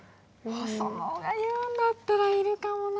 ホソノが言うんだったらいるかもな！